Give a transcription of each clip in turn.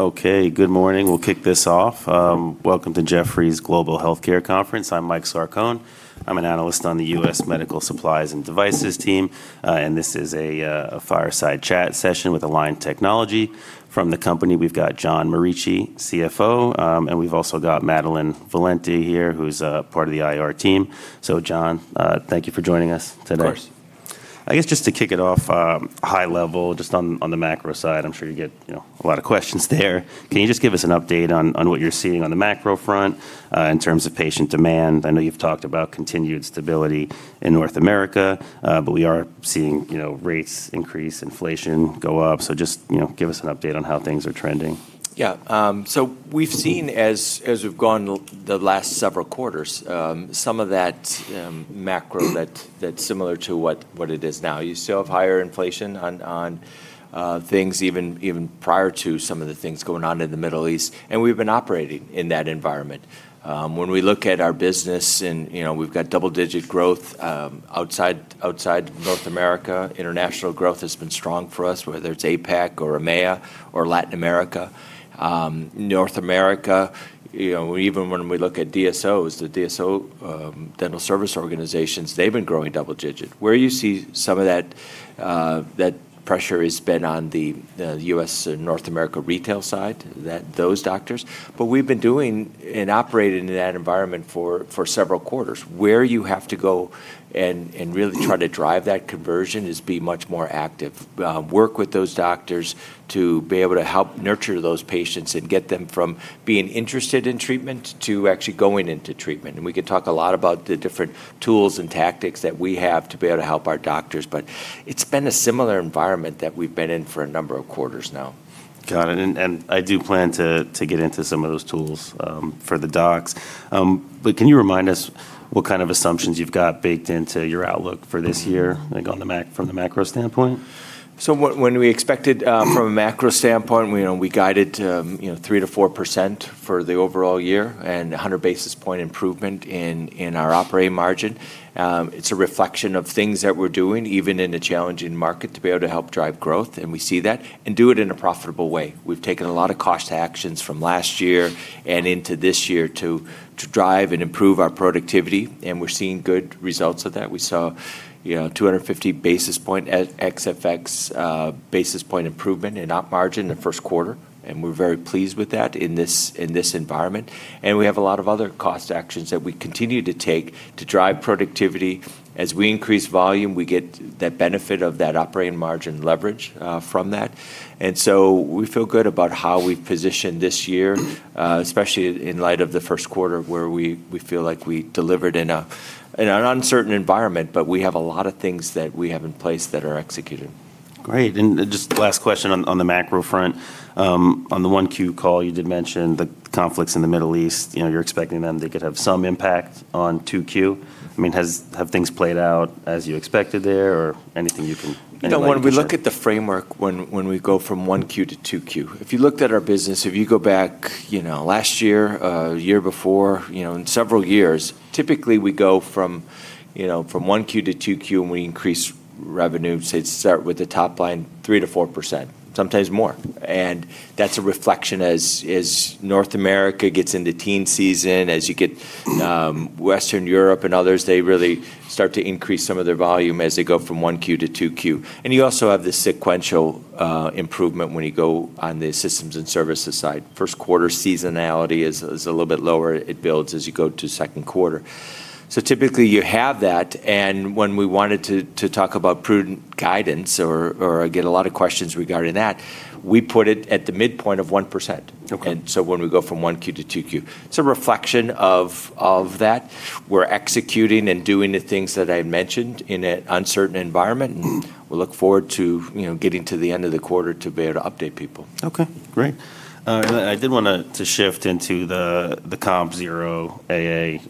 Good morning. We'll kick this off. Welcome to Jefferies Global Healthcare Conference. I'm Mike Sarcone. I'm an analyst on the U.S. Medical Supplies and Devices team. This is a fireside chat session with Align Technology. From the company, we've got John Morici, CFO. We've also got Madelyn Valente here, who's part of the IR team. John, thank you for joining us today. Of course. I guess just to kick it off, high level, just on the macro side, I'm sure you get a lot of questions there. Can you just give us an update on what you're seeing on the macro front in terms of patient demand? I know you've talked about continued stability in North America. We are seeing rates increase, inflation go up. Just give us an update on how things are trending. Yeah. We've seen, as we've gone the last several quarters, some of that macro that's similar to what it is now. You still have higher inflation on things even prior to some of the things going on in the Middle East. We've been operating in that environment. When we look at our business and we've got double-digit growth outside North America. International growth has been strong for us, whether it's APAC or EMEA or Latin America. North America, even when we look at DSOs, the DSO, dental service organizations, they've been growing double digit. Where you see some of that pressure has been on the U.S. and North America retail side, those doctors. We've been doing and operating in that environment for several quarters. Where you have to go and really try to drive that conversion is be much more active. Work with those doctors to be able to help nurture those patients and get them from being interested in treatment to actually going into treatment. We could talk a lot about the different tools and tactics that we have to be able to help our doctors, but it's been a similar environment that we've been in for a number of quarters now. Got it. I do plan to get into some of those tools for the docs. Can you remind us what kind of assumptions you've got baked into your outlook for this year, like from the macro standpoint? What when we expected from a macro standpoint, we guided to 3%-4% for the overall year and 100 basis point improvement in our operating margin. It's a reflection of things that we're doing, even in a challenging market, to be able to help drive growth, and we see that, and do it in a profitable way. We've taken a lot of cost actions from last year and into this year to drive and improve our productivity, and we're seeing good results of that. We saw 250 basis point at ex-FX, basis point improvement in operating margin in the first quarter, and we're very pleased with that in this environment. We have a lot of other cost actions that we continue to take to drive productivity. As we increase volume, we get the benefit of that operating margin leverage from that. We feel good about how we've positioned this year, especially in light of the first quarter where we feel like we delivered in an uncertain environment, but we have a lot of things that we have in place that are executing. Great. Just last question on the macro front. On the 1Q call, you did mention the conflicts in the Middle East. You're expecting them, they could have some impact on 2Q. Have things played out as you expected there? No, when we look at the framework, when we go from 1Q to 2Q, if you looked at our business, if you go back last year before, in several years, typically we go from 1Q to 2Q, and we increase revenue, say, start with the top line 3%-4%, sometimes more. That's a reflection as North America gets into teen season, as you get Western Europe and others, they really start to increase some of their volume as they go from 1Q to 2Q. You also have the sequential improvement when you go on the systems and services side. First quarter seasonality is a little bit lower. It builds as you go to second quarter. Typically you have that, and when we wanted to talk about prudent guidance or get a lot of questions regarding that, we put it at the midpoint of 1%. Okay. When we go from 1Q to 2Q. It's a reflection of that. We're executing and doing the things that I mentioned in an uncertain environment, and we look forward to getting to the end of the quarter to be able to update people. Okay, great. I did want to shift into the Comp Zero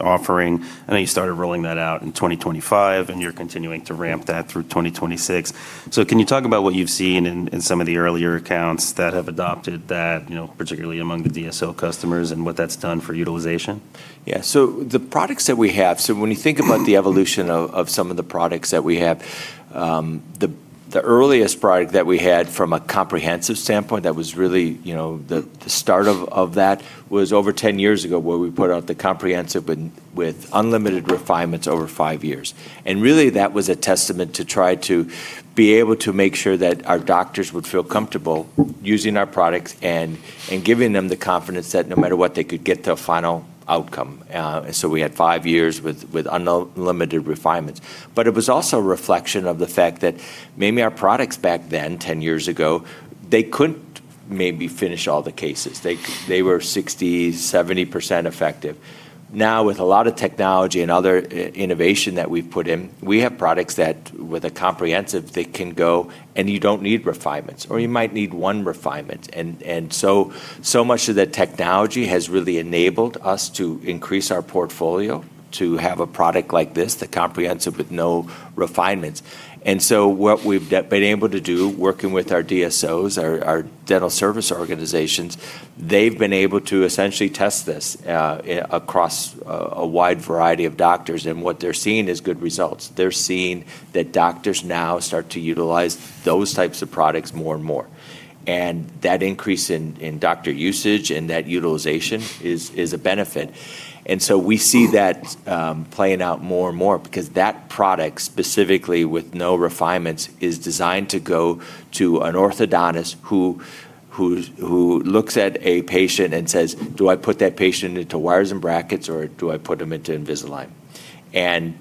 offering. I know you started rolling that out in 2025, and you're continuing to ramp that through 2026. Can you talk about what you've seen in some of the earlier accounts that have adopted that, particularly among the DSO customers and what that's done for utilization? Yeah. The products that we have, when you think about the evolution of some of the products that we have, the earliest product that we had from a comprehensive standpoint, that was really the start of that was over 10 years ago, where we put out the comprehensive with unlimited refinements over five years. Really that was a testament to try to be able to make sure that our doctors would feel comfortable using our products and giving them the confidence that no matter what, they could get to a final outcome. We had five years with unlimited refinements. It was also a reflection of the fact that maybe our products back then, 10 years ago, they couldn't maybe finish all the cases. They were 60%, 70% effective. With a lot of technology and other innovation that we've put in, we have products that with a comprehensive, they can go, and you don't need refinements, or you might need one refinement. Much of the technology has really enabled us to increase our portfolio to have a product like this, the comprehensive with no refinements. What we've been able to do, working with our DSOs, our dental service organizations, they've been able to essentially test this across a wide variety of doctors, and what they're seeing is good results. They're seeing that doctors now start to utilize those types of products more and more. That increase in doctor usage and that utilization is a benefit. We see that playing out more and more because that product specifically with no refinements is designed to go to an orthodontist who looks at a patient and says, "Do I put that patient into wires and brackets, or do I put them into Invisalign?"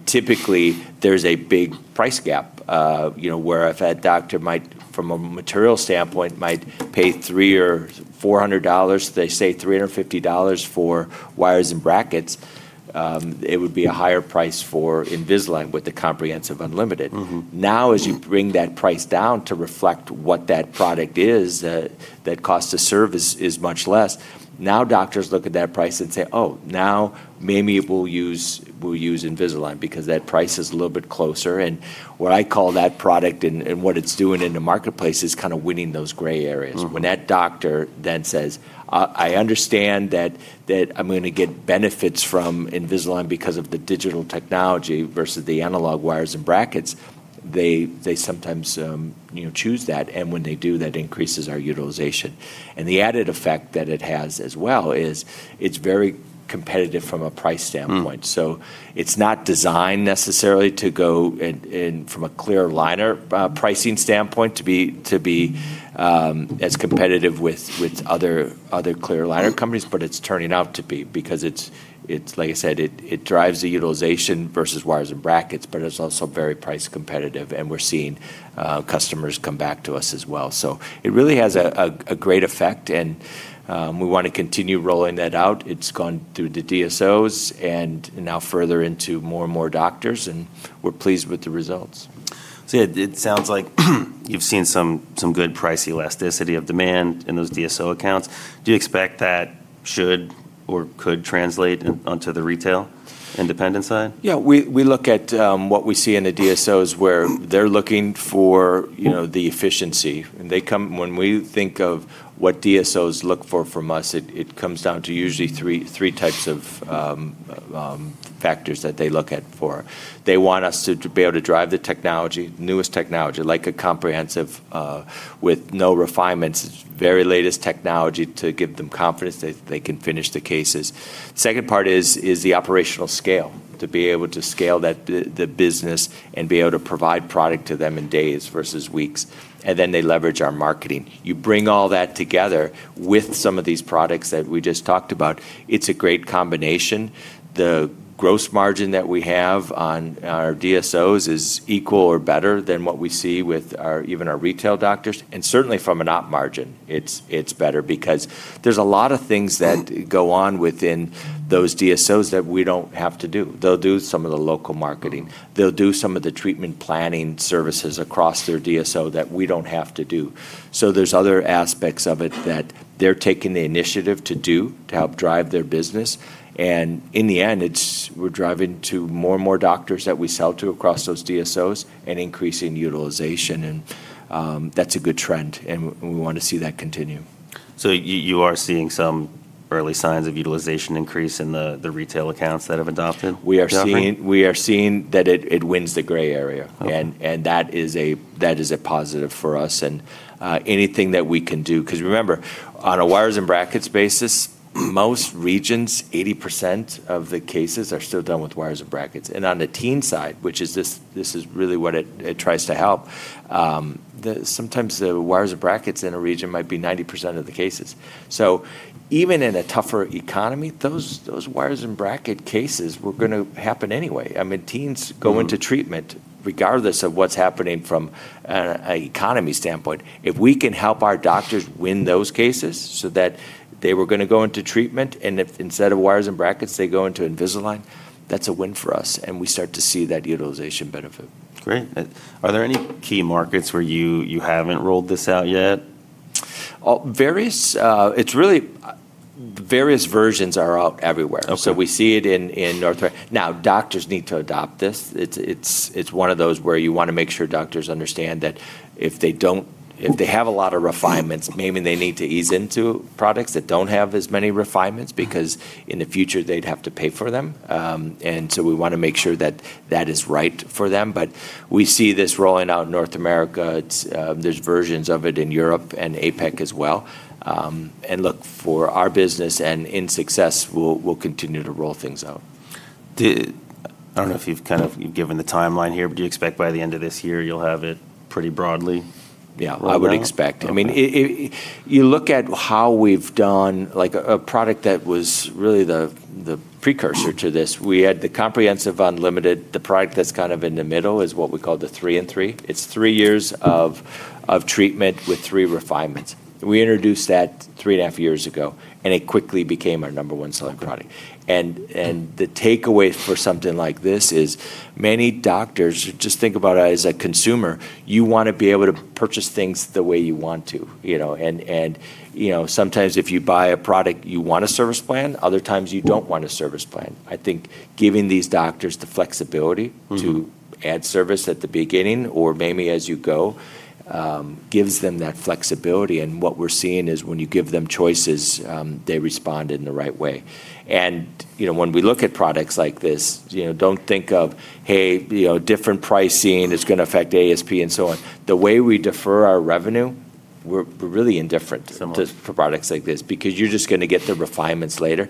Typically, there's a big price gap where if that doctor, from a material standpoint, might pay $300 or $400, they say $350 for wires and brackets, it would be a higher price for Invisalign with the comprehensive unlimited. As you bring that price down to reflect what that product is, that cost to serve is much less. Doctors look at that price and say, "Oh, now maybe we'll use Invisalign because that price is a little bit closer." What I call that product and what it's doing in the marketplace is kind of winning those gray areas. When that doctor then says, "I understand that I'm going to get benefits from Invisalign because of the digital technology versus the analog wires and brackets," they sometimes choose that. When they do, that increases our utilization. The added effect that it has as well is it's very competitive from a price standpoint. It's not designed necessarily, from a clear aligner pricing standpoint, to be as competitive with other clear aligner companies, but it's turning out to be because, like I said, it drives the utilization versus wires and brackets, but it's also very price competitive, and we're seeing customers come back to us as well. It really has a great effect, and we want to continue rolling that out. It's gone through the DSOs and now further into more and more doctors, and we're pleased with the results. Yeah, it sounds like you've seen some good price elasticity of demand in those DSO accounts. Do you expect that should or could translate onto the retail independent side? Yeah. We look at what we see in the DSOs, where they're looking for the efficiency. When we think of what DSOs look for from us, it comes down to usually three types of factors that they look at for. They want us to be able to drive the technology, newest technology, like a comprehensive with no refinements. It's very latest technology to give them confidence that they can finish the cases. Second part is the operational scale, to be able to scale the business and be able to provide product to them in days versus weeks. They leverage our marketing. You bring all that together with some of these products that we just talked about. It's a great combination. The gross margin that we have on our DSOs is equal to or better than what we see with even our retail doctors. Certainly from an op margin, it's better because there's a lot of things that go on within those DSOs that we don't have to do. They'll do some of the local marketing. They'll do some of the treatment planning services across their DSO that we don't have to do. There's other aspects of it that they're taking the initiative to do to help drive their business. In the end, we're driving to more and more doctors that we sell to across those DSOs and increasing utilization, and that's a good trend, and we want to see that continue. You are seeing some early signs of utilization increase in the retail accounts that have adopted? We are seeing that it wins the gray area. Okay. That is a positive for us and anything that we can do. Because remember, on a wires and brackets basis, most regions, 80% of the cases are still done with wires and brackets. On the teen side, which this is really what it tries to help, sometimes the wires and brackets in a region might be 90% of the cases. Even in a tougher economy, those wires and bracket cases were going to happen anyway. I mean, teens go into treatment regardless of what's happening from an economy standpoint. If we can help our doctors win those cases so that they were going to go into treatment, and if instead of wires and brackets, they go into Invisalign, that's a win for us, and we start to see that utilization benefit. Great. Are there any key markets where you haven't rolled this out yet? Various versions are out everywhere. Okay. We see it in North America. Now, doctors need to adopt this. It's one of those where you want to make sure doctors understand that if they have a lot of refinements, maybe they need to ease into products that don't have as many refinements because in the future, they'd have to pay for them. We want to make sure that that is right for them. We see this rolling out in North America. There's versions of it in Europe and APAC as well. Look, for our business and in success, we'll continue to roll things out. I don't know if you've kind of given the timeline here, but do you expect by the end of this year you'll have it pretty broadly-? Yeah rolled out? I would expect. Okay. I mean, you look at how we've done a product that was really the precursor to this, we had the Comprehensive Unlimited. The product that's kind of in the middle is what we call the 3-and-3. It's three years of treatment with three refinements. We introduced that three and a half years ago, it quickly became our number one selling product. The takeaway for something like this is many doctors. Just think about it as a consumer. You want to be able to purchase things the way you want to. Sometimes if you buy a product, you want a service plan. Other times, you don't want a service plan. I think giving these doctors the flexibility. to add service at the beginning or maybe as you go gives them that flexibility. What we're seeing is when you give them choices, they respond in the right way. When we look at products like this, don't think of, hey, different pricing is going to affect ASP and so on. The way we defer our revenue. We're really indifferent- Similar for products like this, because you're just going to get the refinements later.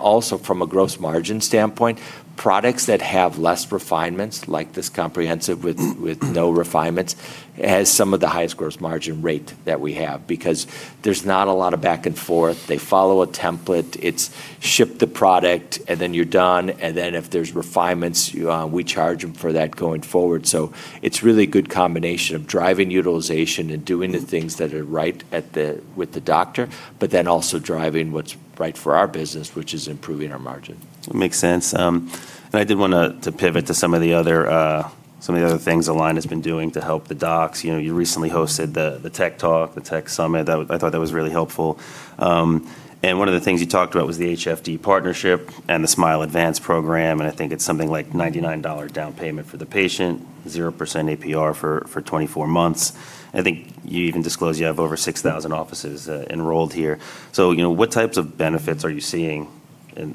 Also from a gross margin standpoint, products that have less refinements, like this comprehensive with no refinements, has some of the highest gross margin rate that we have because there's not a lot of back and forth. They follow a template. It's ship the product, and then you're done. If there's refinements, we charge them for that going forward. It's really a good combination of driving utilization and doing the things that are right with the doctor, but then also driving what's right for our business, which is improving our margin. Makes sense. I did want to pivot to some of the other things Align has been doing to help the docs. You recently hosted the Tech Talk, the tech summit. I thought that was really helpful. One of the things you talked about was the HFD partnership and the Smile Advance program, and I think it's something like $99 down payment for the patient, 0% APR for 24 months. I think you even disclose you have over 6,000 offices enrolled here. What types of benefits are you seeing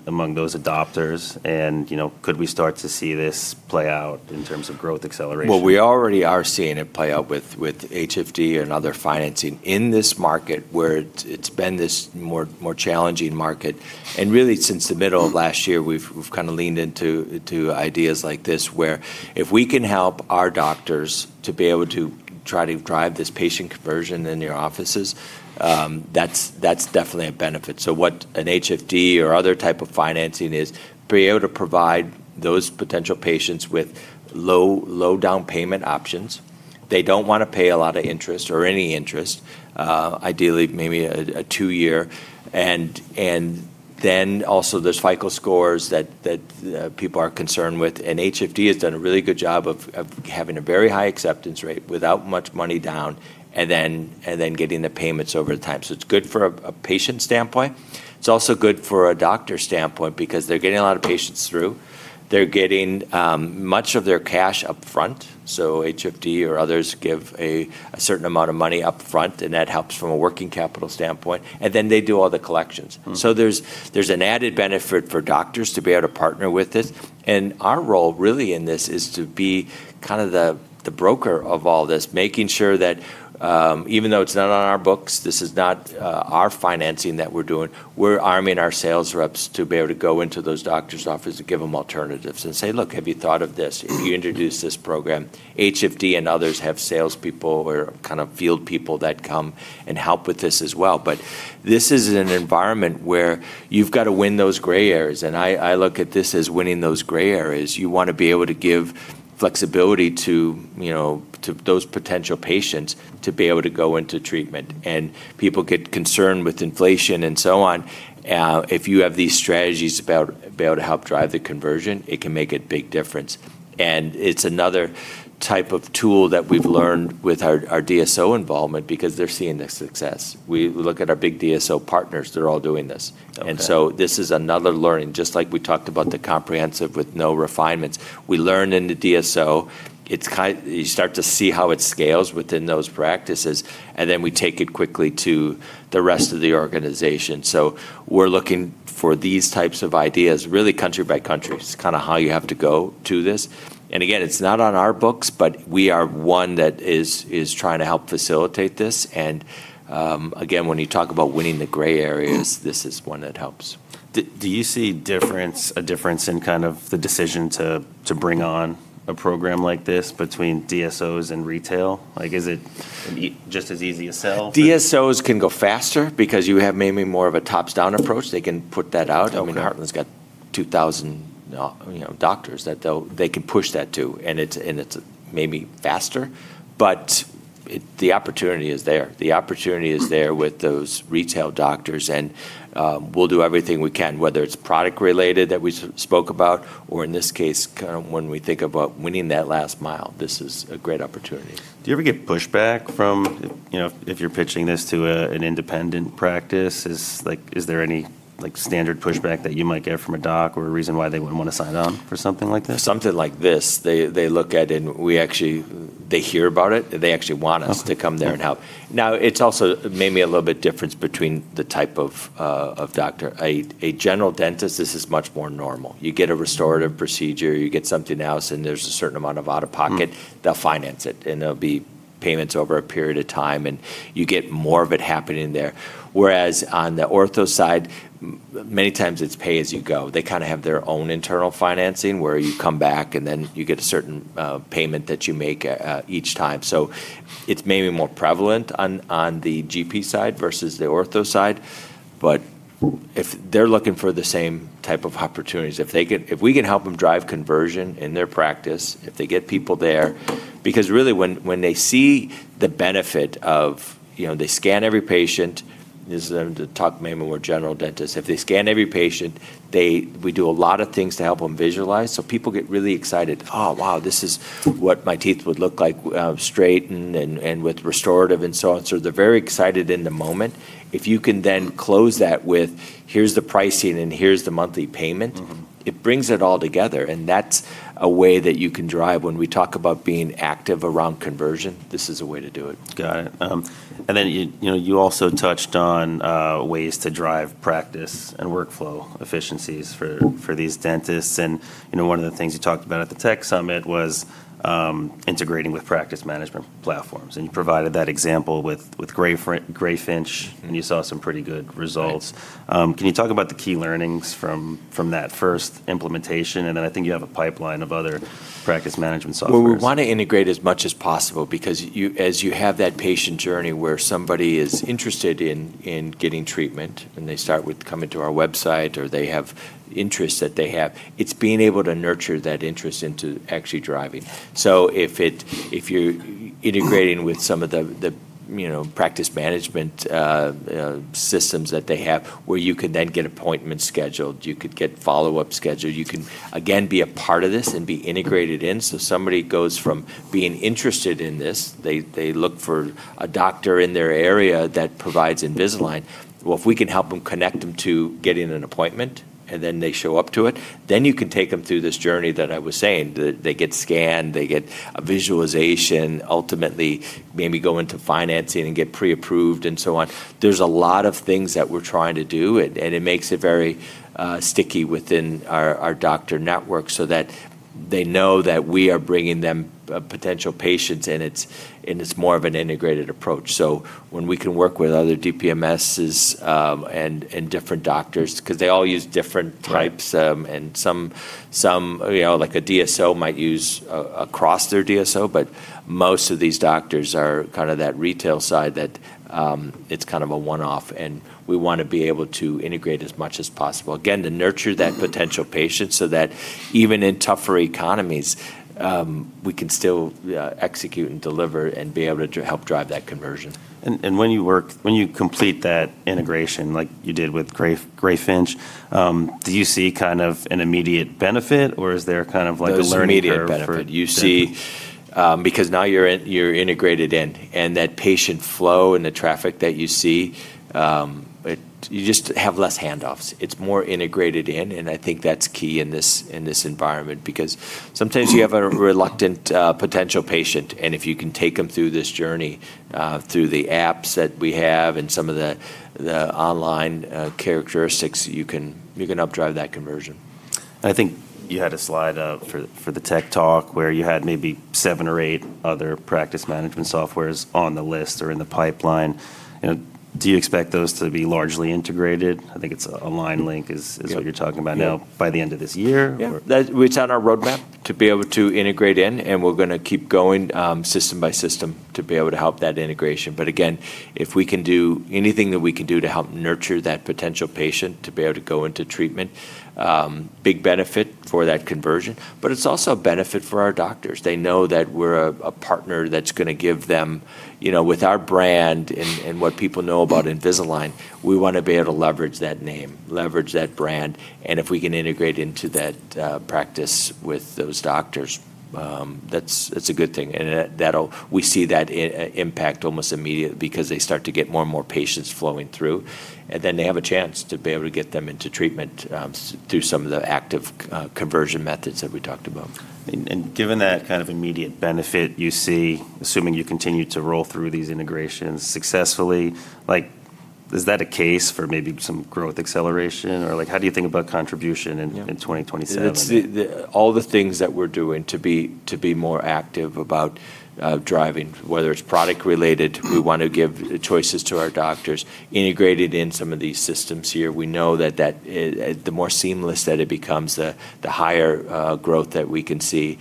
among those adopters and could we start to see this play out in terms of growth acceleration? Well, we already are seeing it play out with HFD and other financing. In this market, where it's been this more challenging market, really since the middle of last year, we've kind of leaned into ideas like this, where if we can help our doctors to be able to try to drive this patient conversion in their offices, that's definitely a benefit. What an HFD or other type of financing is, be able to provide those potential patients with low down payment options. They don't want to pay a lot of interest or any interest. Ideally, maybe a two year. Then also there's FICO scores that people are concerned with. HFD has done a really good job of having a very high acceptance rate without much money down and then getting the payments over the time. It's good from a patient standpoint. It's also good from a doctor standpoint because they're getting a lot of patients through. They're getting much of their cash up front. HFD or others give a certain amount of money up front, and that helps from a working capital standpoint. Then they do all the collections. There's an added benefit for doctors to be able to partner with this. Our role really in this is to be kind of the broker of all this, making sure that, even though it's not on our books, this is not our financing that we're doing, we're arming our sales reps to be able to go into those doctors' offices and give them alternatives and say, "Look, have you thought of this?" If you introduce this program, HFD and others have salespeople or kind of field people that come and help with this as well. This is an environment where you've got to win those gray areas, and I look at this as winning those gray areas. You want to be able to give flexibility to those potential patients to be able to go into treatment. People get concerned with inflation and so on. If you have these strategies to be able to help drive the conversion, it can make a big difference. It's another type of tool that we've learned with our DSO involvement because they're seeing the success. We look at our big DSO partners, they're all doing this. Okay. This is another learning, just like we talked about the comprehensive with no refinements. We learn in the DSO. You start to see how it scales within those practices, and then we take it quickly to the rest of the organization. We're looking for these types of ideas. Really country by country is kind of how you have to go to this. Again, it's not on our books, but we are one that is trying to help facilitate this. Again, when you talk about winning the gray areas, this is one that helps. Do you see a difference in kind of the decision to bring on a program like this between DSOs and retail? Is it just as easy a sell? DSOs can go faster because you have maybe more of a top-down approach. They can put that out. Okay. I mean, Heartland's got 2,000 doctors that they can push that to, and it's maybe faster. The opportunity is there. The opportunity is there with those retail doctors. We'll do everything we can, whether it's product related that we spoke about, or in this case, kind of when we think about winning that last mile. This is a great opportunity. Do you ever get pushback from if you're pitching this to an independent practice? Is there any standard pushback that you might get from a doc or a reason why they wouldn't want to sign on for something like this? Something like this, they look at it. They hear about it. They actually want us- Okay to come there and help. Now, it's also maybe a little bit difference between the type of doctor. A general dentist, this is much more normal. You get a restorative procedure, you get something else, and there's a certain amount of out-of-pocket. They'll finance it, and there'll be payments over a period of time, and you get more of it happening there. Whereas on the ortho side, many times it's pay as you go. They kind of have their own internal financing where you come back, and then you get a certain payment that you make each time. It's maybe more prevalent on the GP side versus the ortho side. If they're looking for the same type of opportunities. If we can help them drive conversion in their practice, if they get people there. Because really when they see the benefit of they scan every patient Invisalign, to talk maybe more general dentists. If they scan every patient, we do a lot of things to help them visualize. People get really excited, "Oh, wow, this is what my teeth would look like straightened and with restorative," and so on. They're very excited in the moment. If you can then close that with, "Here's the pricing and here's the monthly payment. it brings it all together, and that's a way that you can drive. When we talk about being active around conversion, this is a way to do it. Got it. Then you also touched on ways to drive practice and workflow efficiencies for these dentists. One of the things you talked about at the Tech Talk was integrating with practice management platforms. You provided that example with Greyfinch, and you saw some pretty good results. Right. Can you talk about the key learnings from that first implementation? I think you have a pipeline of other practice management softwares. Well, we want to integrate as much as possible because as you have that patient journey where somebody is interested in getting treatment, and they start with coming to our website, or they have interests that they have. It's being able to nurture that interest into actually driving. If you're integrating with some of the practice management systems that they have, where you can then get appointments scheduled, you could get follow-ups scheduled. You can, again, be a part of this and be integrated in. Somebody goes from being interested in this. They look for a doctor in their area that provides Invisalign. Well, if we can help them connect them to getting an appointment, and then they show up to it, you can take them through this journey that I was saying. They get scanned, they get a visualization, ultimately maybe go into financing and get pre-approved, and so on. There's a lot of things that we're trying to do, and it makes it very sticky within our doctor network, so that they know that we are bringing them potential patients, and it's more of an integrated approach. When we can work with other DPMSs and different doctors because they all use different types. Right. Some, like a DSO might use across their DSO, but most of these doctors are kind of that retail side that it's kind of a one-off. We want to be able to integrate as much as possible. Again, to nurture that potential patient so that even in tougher economies, we can still execute and deliver and be able to help drive that conversion. When you complete that integration like you did with Greyfinch, do you see kind of an immediate benefit, or is there kind of like a learning curve? There's immediate benefit. Okay. Now you're integrated in, and that patient flow and the traffic that you see, you just have less handoffs. It's more integrated in, and I think that's key in this environment because sometimes you have a reluctant potential patient, and if you can take them through this journey, through the apps that we have and some of the online characteristics, you can up drive that conversion. I think you had a slide up for the Tech Talk where you had maybe seven or eight other practice management softwares on the list or in the pipeline. Do you expect those to be largely integrated? I think it's Align Link is what you're talking about now. Yeah. By the end of this year? Yeah. It's on our roadmap to be able to integrate in, and we're going to keep going system by system to be able to help that integration. Again, if we can do anything that we can do to help nurture that potential patient to be able to go into treatment, big benefit for that conversion. It's also a benefit for our doctors. They know that we're a partner that's going to give them. With our brand and what people know about Invisalign, we want to be able to leverage that name, leverage that brand. If we can integrate into that practice with those doctors, that's a good thing. We see that impact almost immediately because they start to get more and more patients flowing through. They have a chance to be able to get them into treatment through some of the active conversion methods that we talked about. Given that kind of immediate benefit, you see, assuming you continue to roll through these integrations successfully, is that a case for maybe some growth acceleration, or how do you think about contribution in 2027? All the things that we're doing to be more active about driving, whether it's product related. We want to give choices to our doctors integrated in some of these systems here. We know that the more seamless that it becomes, the higher growth that we can see.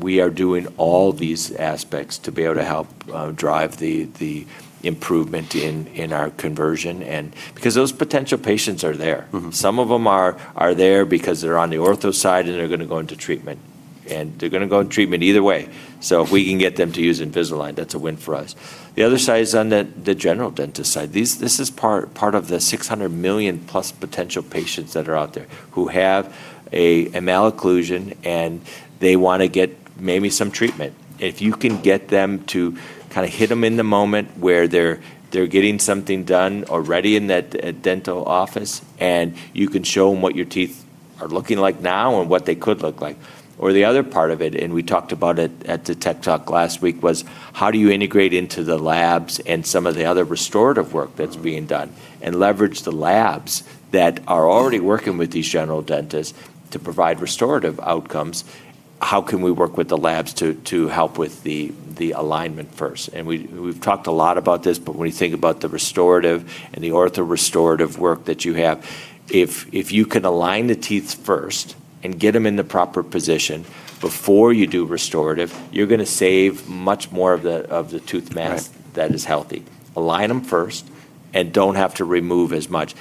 We are doing all these aspects to be able to help drive the improvement in our conversion and because those potential patients are there. Some of them are there because they're on the ortho side, and they're going to go into treatment, and they're going to go in treatment either way. If we can get them to use Invisalign, that's a win for us. The other side is on the general dentist side. This is part of the $600 million+ potential patients that are out there who have a malocclusion, and they want to get maybe some treatment. If you can get them to kind of hit them in the moment where they're getting something done already in that dental office, and you can show them what your teeth are looking like now and what they could look like. The other part of it, and we talked about it at the Tech Talk last week, was how do you integrate into the labs and some of the other restorative work that's being done and leverage the labs that are already working with these general dentists to provide restorative outcomes. How can we work with the labs to help with the alignment first? We've talked a lot about this, but when you think about the restorative and the ortho restorative work that you have. If you can align the teeth first and get them in the proper position before you do restorative, you're going to save much more of the tooth mass- Right that is healthy. Align them first. Don't have to remove as much.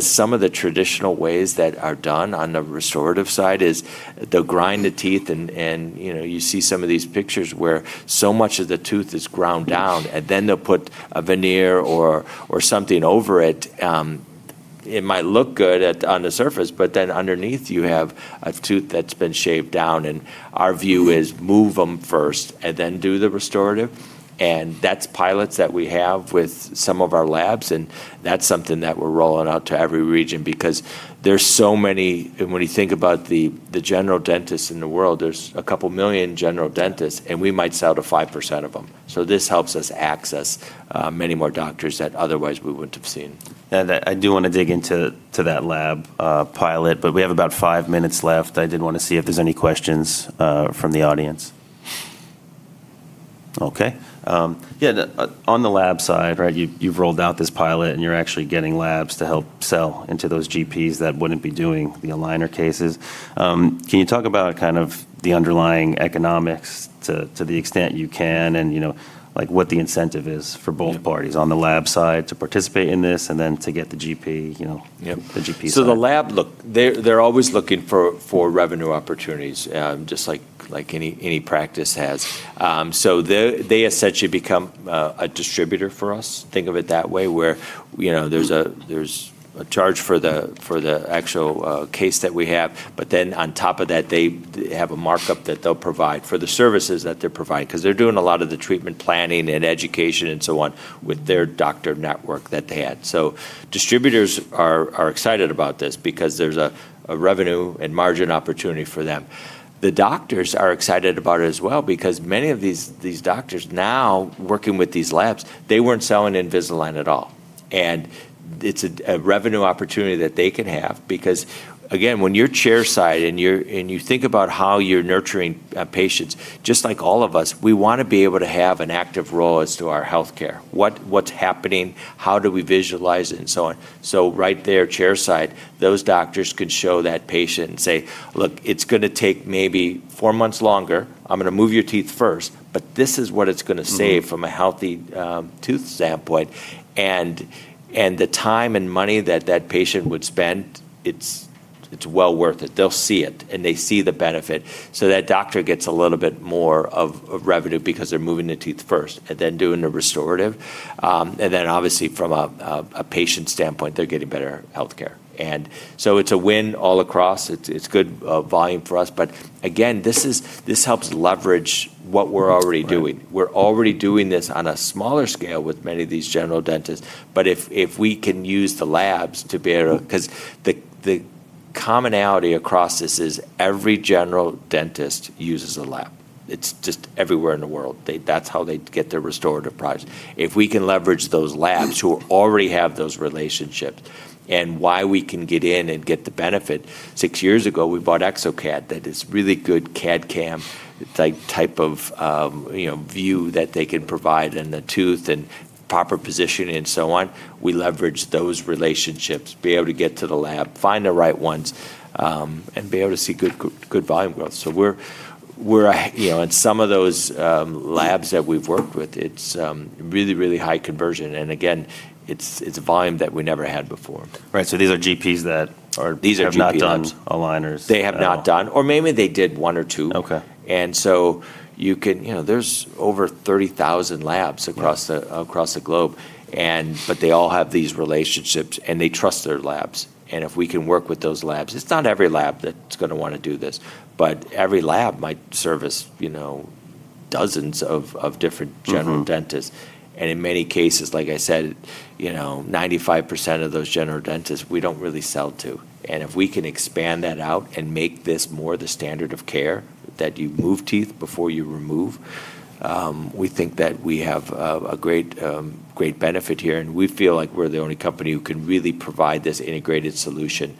Some of the traditional ways that are done on the restorative side is they'll grind the teeth and you see some of these pictures where so much of the tooth is ground down. Yes. They'll put a veneer or something over it. It might look good on the surface, underneath you have a tooth that's been shaved down. Our view is move them first and then do the restorative. That's pilots that we have with some of our labs, and that's something that we're rolling out to every region because there's so many And when you think about the general dentists in the world, there's a 2 million general dentists, and we might sell to 5% of them. This helps us access many more doctors that otherwise we wouldn't have seen. I do want to dig into that lab pilot, but we have about five minutes left. I did want to see if there's any questions from the audience. Okay. Yeah, on the lab side, you've rolled out this pilot and you're actually getting labs to help sell into those GPs that wouldn't be doing the aligner cases. Can you talk about kind of the underlying economics to the extent you can, and like what the incentive is? Yeah For both parties on the lab side to participate in this and then to get the- Yep the GP side. The lab, look, they're always looking for revenue opportunities, just like any practice has. They essentially become a distributor for us, think of it that way, where there's a charge for the actual case that we have, but then on top of that, they have a markup that they'll provide for the services that they're providing, because they're doing a lot of the treatment planning and education and so on with their doctor network that they had. Distributors are excited about this because there's a revenue and margin opportunity for them. The doctors are excited about it as well because many of these doctors now working with these labs, they weren't selling Invisalign at all. It's a revenue opportunity that they can have because, again, when you're chair side and you think about how you're nurturing patients, just like all of us, we want to be able to have an active role as to our healthcare. What's happening? How do we visualize it? So on. Right there, chair side, those doctors could show that patient and say, "Look, it's going to take maybe four months longer. I'm going to move your teeth first, but this is what it's going to save. from a healthy tooth standpoint." The time and money that that patient would spend, it's well worth it. They'll see it, and they see the benefit. That doctor gets a little bit more of revenue because they're moving the teeth first and then doing the restorative. Then obviously from a patient standpoint, they're getting better healthcare. It's a win all across. It's good volume for us. Again, this helps leverage what we're already doing. That's great. We're already doing this on a smaller scale with many of these general dentists. If we can use the labs to be able to. Because the commonality across this is every general dentist uses a lab. It's just everywhere in the world. That's how they get their restorative products. If we can leverage those labs who already have those relationships, and why we can get in and get the benefit. Six years ago, we bought exocad, that is really good CAD/CAM type of view that they can provide in the tooth and proper positioning and so on. We leverage those relationships, be able to get to the lab, find the right ones, and be able to see good volume growth. Some of those labs that we've worked with, it's really high conversion. Again, it's volume that we never had before. Right. These are GPs that are. These are GPs. have not done aligners at all. They have not done, or maybe they did one or two. Okay. There's over 30,000 labs across the globe. They all have these relationships, and they trust their labs. If we can work with those labs, it's not every lab that's going to want to do this, but every lab might service dozens of different general dentists. In many cases, like I said, 95% of those general dentists we don't really sell to. If we can expand that out and make this more the standard of care, that you move teeth before you remove, we think that we have a great benefit here, and we feel like we're the only company who can really provide this integrated solution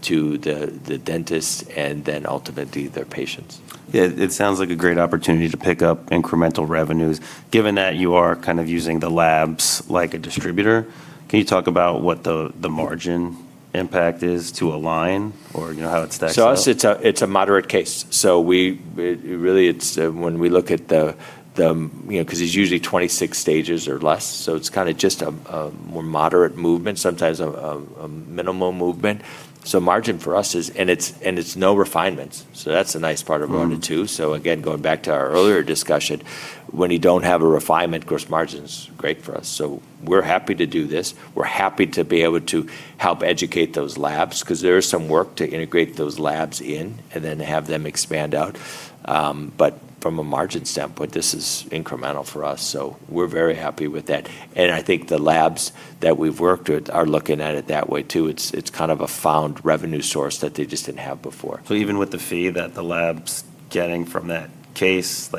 to the dentists and then ultimately their patients. Yeah, it sounds like a great opportunity to pick up incremental revenues. Given that you are kind of using the labs like a distributor, can you talk about what the margin impact is to Align or how it stacks up? To us, it's a moderate case. Really it's when we look at the because it's usually 26 stages or less, so it's kind of just a more moderate movement, sometimes a minimal movement. Margin for us is And it's no refinements, so that's a nice part of it too. Again, going back to our earlier discussion, when you don't have a refinement, of course margin's great for us, so we're happy to do this. We're happy to be able to help educate those labs because there is some work to integrate those labs in and then have them expand out. From a margin standpoint, this is incremental for us, so we're very happy with that. I think the labs that we've worked with are looking at it that way too. It's kind of a found revenue source that they just didn't have before. Even with the fee that the lab's getting from that case,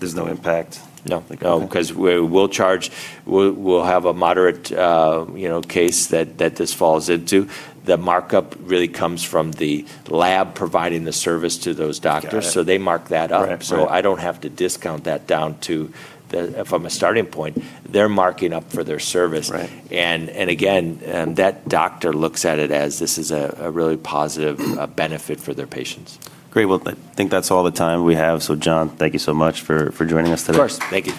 there's no impact? No. Okay. Because we'll charge. We'll have a moderate case that this falls into. The markup really comes from the lab providing the service to those doctors. Got it. They mark that up. Right. I don't have to discount that down to From a starting point, they're marking up for their service. Right. Again, that doctor looks at it as this is a really positive benefit for their patients. Great. Well, I think that's all the time we have. John, thank you so much for joining us today. Of course. Thank you.